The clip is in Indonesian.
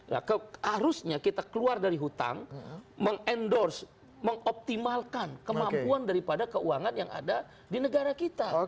nah harusnya kita keluar dari hutang meng endorse mengoptimalkan kemampuan daripada keuangan yang ada di negara kita